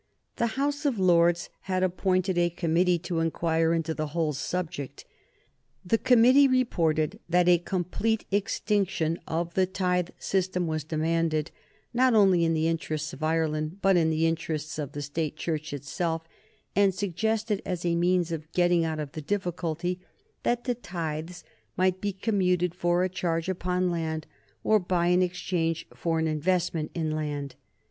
The House of Lords had appointed a committee to inquire into the whole subject. The committee reported that a complete extinction of the tithe system was demanded, not only in the interests of Ireland but in the interests of the State Church itself, and suggested, as a means of getting out of the difficulty, that the tithes might be commuted for a charge upon land or by an exchange for an investment in land.